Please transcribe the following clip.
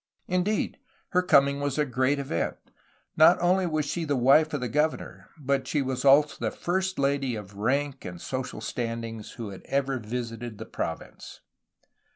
Indeed, her coming was a great event. Not only was she the wife of the governor, but she was also the first lady of rank and social standing who had ever visited the province.